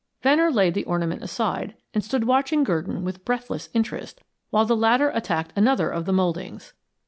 Venner laid the ornament aside and stood watching Gurdon with breathless interest while the latter attacked another of the mouldings.